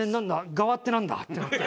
側ってなんだ？ってなって。